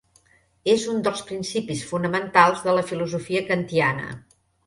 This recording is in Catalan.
És un dels principis fonamentals de la Filosofia kantiana.